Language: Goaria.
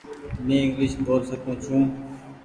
مين انگليش ٻول سڪون ڇي ۔